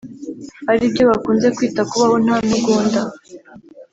ari byo bakunze kwita kubaho nta ntugunda